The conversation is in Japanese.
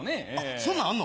そんなんあんの？